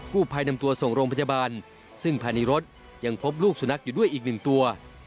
ผู้ภัยนำตัวส่งโรงพยาบาลซึ่งภายในรถยังพบลูกสุนัขอยู่ด้วยอีกหนึ่งตัว